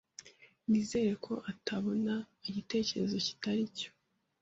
Nizere ko atabona igitekerezo kitari cyo